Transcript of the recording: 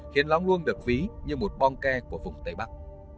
khiến lóng luông được ví như một bong ke của vùng tây bắc